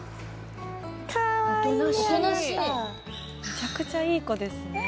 「めちゃくちゃいい子ですね」